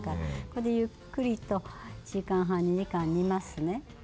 これでゆっくりと１時間半２時間煮ますね。